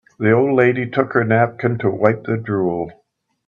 The old lady took her napkin to wipe the drool.